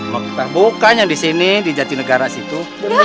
bukan yang di sini di jatinegara situ